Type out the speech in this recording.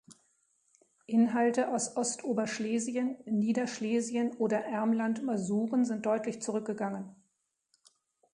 Inhalte aus Ostoberschlesien, Niederschlesien oder Ermland-Masuren sind deutlich zurückgegangen.